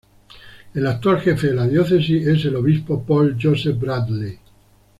El actual jefe de la Diócesis es el Obispo Paul Joseph Bradley.